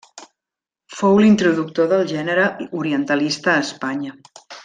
Fou l'introductor del gènere orientalista a Espanya.